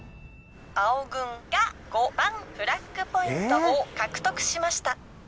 青軍が５番フラッグポイントを獲得しました。